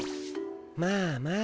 まあまあ。